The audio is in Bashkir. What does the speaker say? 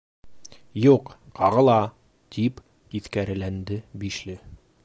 —Юҡ, ҡағыла, —тип тиҫкәреләнде Бишле.